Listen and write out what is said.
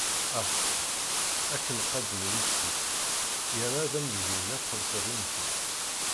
Ax, ad kem-qadden wiki, yerna ad am-d-grin ad txelṣeḍ imekli.